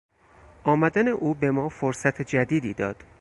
آمدن او به ما فرصت جدیدی داد.